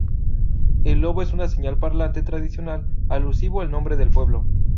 El lobo es una señal parlante tradicional alusivo al nombre del pueblo.